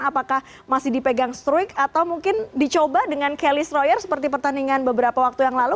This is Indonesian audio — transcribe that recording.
apakah masih dipegang stroik atau mungkin dicoba dengan kelis royer seperti pertandingan beberapa waktu yang lalu